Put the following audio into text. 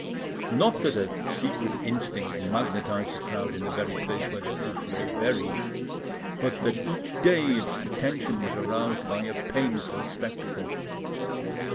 Not that a secret instinct magnetised the crowd in the very place where the proof lay buried, but that each day its attention was aroused by a painful spectacle.